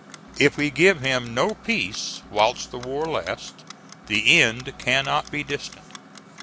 If we give him no peace whilst the war lasts, the end cannot be distant.